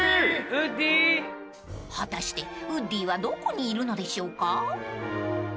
［果たしてウッディはどこにいるのでしょうか？］